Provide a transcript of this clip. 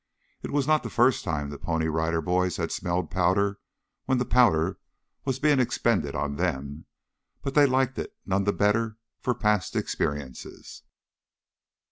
It was not the first time the Pony Rider Boys had smelled powder when the powder was being expended on them, but they liked it none the better for past experiences.